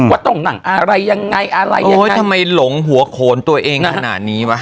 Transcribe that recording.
ว่าต้องนั่งอะไรยังไงอะไรยังไงทำไมหลงหัวโขนตัวเองขนาดนี้วะ